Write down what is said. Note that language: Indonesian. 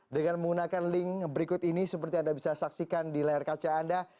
dengan menggunakan link berikut ini seperti anda bisa saksikan di layar kaca anda